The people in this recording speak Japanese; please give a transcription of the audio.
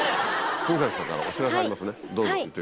杉咲さんからお知らせがありますねどうぞ。